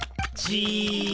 じ。